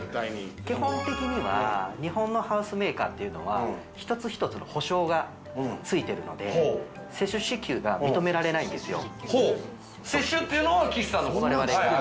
基本的には日本のハウスメーカーっていうのは一つ一つの保証がついているので、施主支給が認められないんですよ。